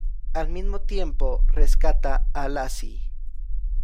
Al mismo tiempo, rescata a Lacy.